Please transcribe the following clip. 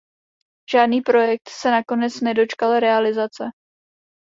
Žádný projekt se nakonec nedočkal realizace.